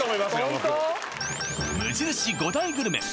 僕無印５大グルメ！